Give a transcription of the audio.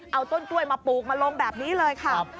เอาต้นกล้วยมาปลูกมาลงแบบนี้เลยค่ะ